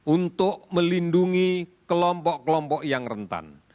untuk melindungi kelompok kelompok yang rentan